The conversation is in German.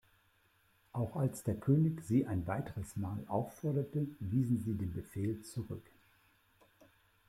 Auch als der König sie ein weiteres Mal aufforderte, wiesen sie den Befehl zurück.